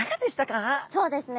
そうですね。